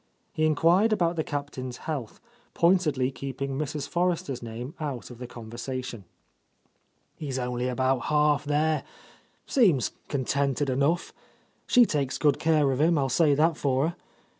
He en quired about the Captain's health, pointedly keep ing Mrs. Forrester's name out of the conver sation. "He's only about half there ,.. seems con tented enough. ... She takes good care of him. I'll say that for her. .